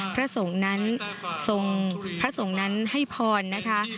พระสงฆ์นั้นทรงพระสงฆ์นั้นให้พรนะคะ